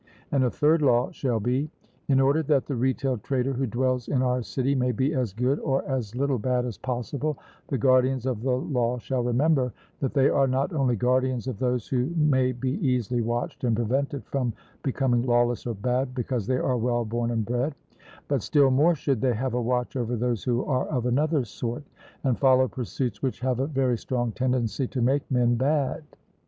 And a third law shall be: In order that the retail trader who dwells in our city may be as good or as little bad as possible, the guardians of the law shall remember that they are not only guardians of those who may be easily watched and prevented from becoming lawless or bad, because they are well born and bred; but still more should they have a watch over those who are of another sort, and follow pursuits which have a very strong tendency to make men bad.